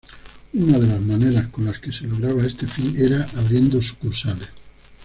Una de las maneras con las que se lograba este fin era abriendo sucursales.